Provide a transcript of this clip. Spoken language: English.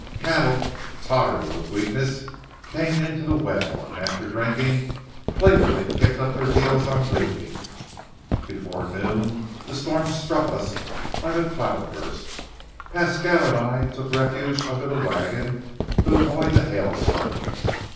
Cattle, tottering with weakness, came into the well, and after drinking, playfully kicked up their heels on leaving. Before noon the storm struck us like a cloud burst. Pasquale and I took refuge under the wagon to avoid the hailstones.